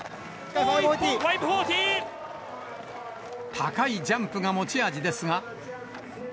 高いジャンプが持ち味ですが。